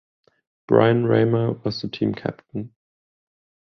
Brian Ramer was the team captain.